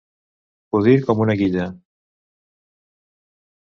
Pudir com una guilla.